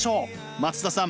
松田さん